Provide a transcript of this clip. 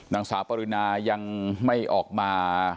นางสาวปรินายังไม่ออกมา